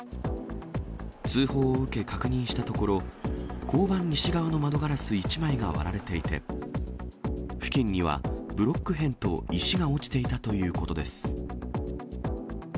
通報を受け、確認したところ、交番西側の窓ガラス１枚が割られていて、付近にはブロック片と石が落ちていたということです。